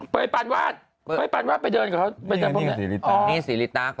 เป๊ย์ปหัวไปเดินกับเค้า